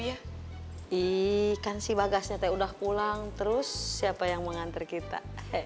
iya kan sih bagasnya teh udah pulang terus siapa yang mau nganter kita